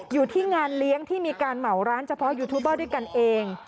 อยู่ที่งานเลี้ยงที่มีการเหมาร้านเฉพาะยูทูบเบอร์ด้วยกันเอง